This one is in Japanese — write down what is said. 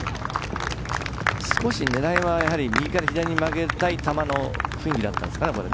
少し狙いは右から左に曲げたい球の雰囲気でしたか。